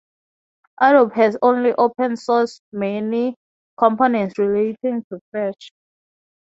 Adobe has also open-sourced many components relating to Flash.